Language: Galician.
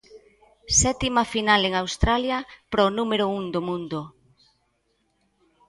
Sétima final en Australia para o número un do mundo.